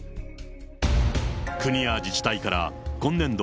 国や自治体から今年度